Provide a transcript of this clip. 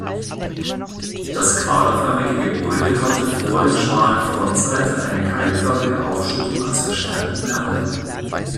Das quaderförmige Gebäude hatte vor der schmalen Frontseite eine keilförmige Aufschüttung als Verstärkung erhalten.